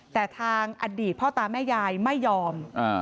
แต่ทางอดีตพ่อตาแม่ยายไม่ยอม